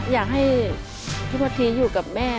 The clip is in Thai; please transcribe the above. อยากให้พี่พัทธีอยู่กับแม่